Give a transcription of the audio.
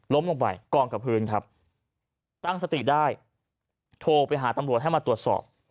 ลงไปกองกับพื้นครับตั้งสติได้โทรไปหาตำรวจให้มาตรวจสอบ